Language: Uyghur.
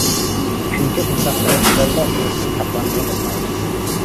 چۈنكى، ئۇنداق قىلىش بىلەنلا ئۇرۇشتىن ساقلانغىلى بولمايدۇ.